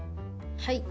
はい。